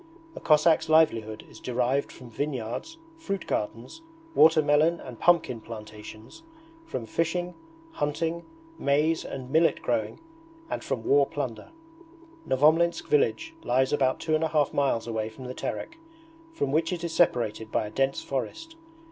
A Cossack's livelihood is derived from vineyards, fruit gardens, water melon and pumpkin plantations, from fishing, hunting, maize and millet growing, and from war plunder. Novomlinsk village lies about two and a half miles away from the Terek, from which it is separated by a dense forest.